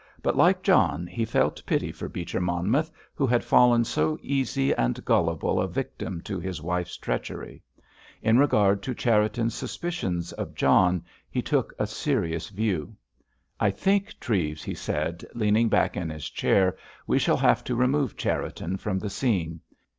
But, like John, he felt pity for Beecher Monmouth, who had fallen so easy and gullible a victim to his wife's treachery. In regard to Cherriton's suspicions of John he took a serious view. "I think, Treves," he said, leaning back in his chair, "we shall have to remove Cherriton from the scene.